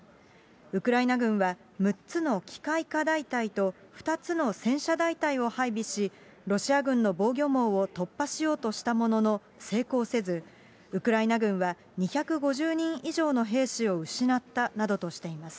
ウクライナ軍は、６つの機械化大隊と、２つの戦車大隊を配備し、ロシア軍の防御網を突破しようとしたものの、成功せず、ウクライナ軍は２５０人以上の兵士を失ったなどとしています。